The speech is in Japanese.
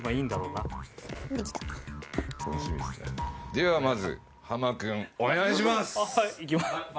ではまずハマ君お願いします。